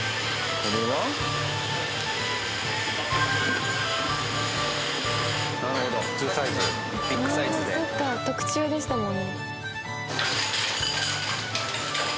そっか特注でしたもんね。